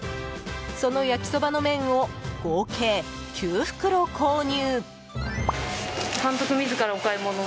その焼きそばの麺を合計９袋購入。